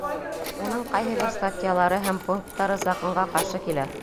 Уның ҡайһы бер статьялары һәм пункттары Законға ҡаршы килә.